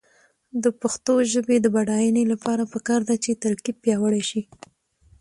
د پښتو ژبې د بډاینې لپاره پکار ده چې ترکیب پیاوړی شي.